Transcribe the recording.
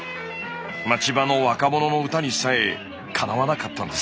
街場の若者の歌にさえかなわなかったんです。